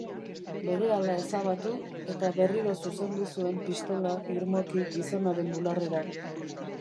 Berehala ezabatu, eta berriro zuzendu zuen pistola irmoki gizonaren bularrera.